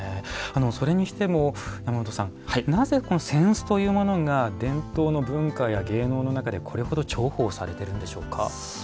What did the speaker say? それにしてもなぜ扇子というものが伝統の文化や芸能の中でこれほど重宝されてるんでしょうか。